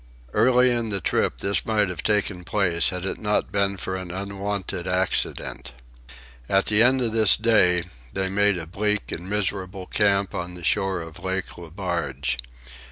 Early in the trip this might have taken place had it not been for an unwonted accident. At the end of this day they made a bleak and miserable camp on the shore of Lake Le Barge.